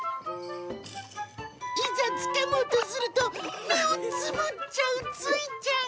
いざつかもうとすると、目をつぶっちゃうついちゃん。